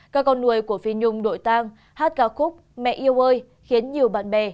các con nuôi của phi nhung nội tàng hát ca khúc mẹ yêu ơi khiến nhiều bạn bè